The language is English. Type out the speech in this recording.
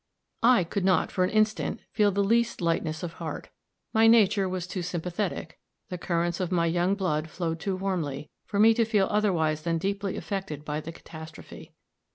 I could not, for an instant, feel the least lightness of heart. My nature was too sympathetic; the currents of my young blood flowed too warmly, for me to feel otherwise than deeply affected by the catastrophe.